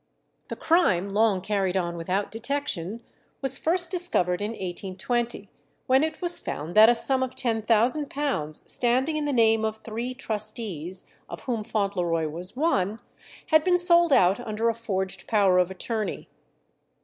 The crime, long carried on without detection, was first discovered in 1820, when it was found that a sum of £10,000, standing in the name of three trustees, of whom Fauntleroy was one, had been sold out under a forged power of attorney.